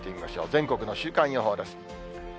全国の週間予報です。